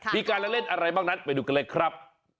มีการเล่นอะไรบ้างนั้นไปดูกันเลยครับ